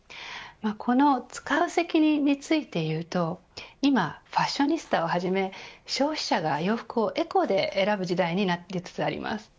このつかう責任について言うと今、ファッショニスタをはじめ消費者が洋服をエコで選ぶ時代になりつつあります。